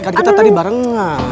kan kita tadi barengan